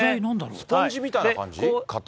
スポンジみたいな感じ？